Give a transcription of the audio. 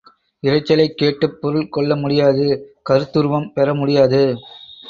இரைச்சலைக் கேட்டுப் பொருள் கொள்ள முடியாது கருத்துருவம் பெற முடியாது.